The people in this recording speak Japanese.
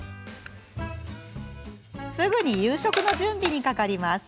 すぐに夕食の準備にかかります。